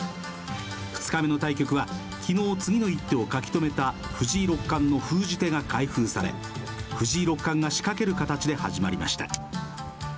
２日目の対局は昨日、次の一手を書き留めた藤井六冠の封じ手が開封され藤井六冠が仕掛ける形で始まりました。